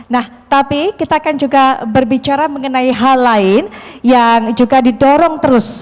nah tapi kita akan juga berbicara mengenai hal lain yang juga didorong terus